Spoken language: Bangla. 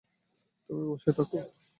তুমি বসে থাকো।